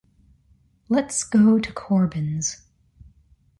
Let's go to Corbins.